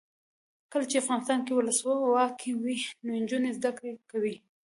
کله چې افغانستان کې ولسواکي وي نجونې زده کړې کوي.